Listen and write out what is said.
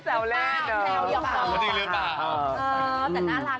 จริงลื้อปลา